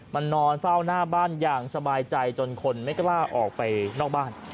มันนอนเฝ้าหน้าบ้านอย่างสบายใจจนคนไม่กล้าออกไปนอกบ้าน